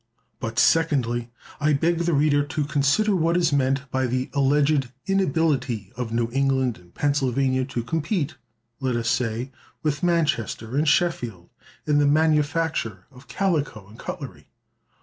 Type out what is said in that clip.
But, secondly, I beg the reader to consider what is meant by the alleged 'inability' of New England and Pennsylvania to compete, let us say, with Manchester and Sheffield, in the manufacture of calico and cutlery.